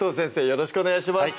よろしくお願いします